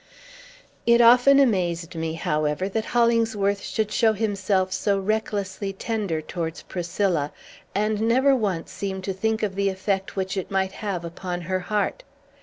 It often amazed me, however, that Hollingsworth should show himself so recklessly tender towards Priscilla, and never once seem to think of the effect which it might have upon her heart.